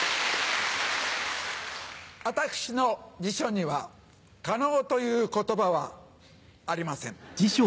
私の辞書には「可能」という言葉はありません。